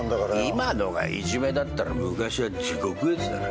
今のがいじめだったら昔は地獄絵図だな。